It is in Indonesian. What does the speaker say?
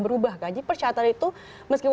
berubah gaji persyaratan itu meski